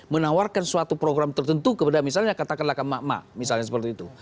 menawarkan suatu program tertentu kepada misalnya katakanlah kemak mak misalnya seperti itu